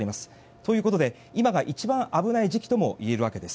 ということで今が一番危ない時期ともいえるわけです。